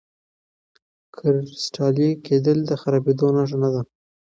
کرسټالي کېدل د خرابېدو نښه نه ده.